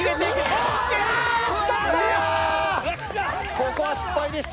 ここは失敗でした。